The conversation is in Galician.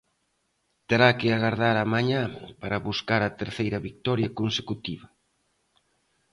Terá que agardar a mañá para buscar a terceira vitoria consecutiva.